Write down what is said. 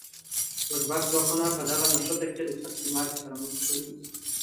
ازبک ځواکونه په دغه نښته کې له سختې ماتې سره مخ شول.